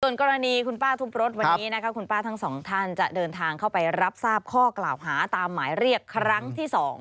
กรณีคุณป้าทุบรถวันนี้นะคะคุณป้าทั้งสองท่านจะเดินทางเข้าไปรับทราบข้อกล่าวหาตามหมายเรียกครั้งที่๒